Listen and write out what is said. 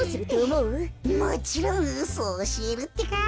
もちろんうそおしえるってか。